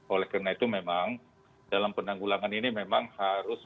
oleh karena itu memang dalam penanggulangan ini memang harus